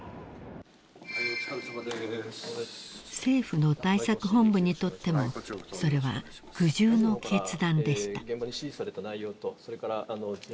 ［政府の対策本部にとってもそれは苦渋の決断でした］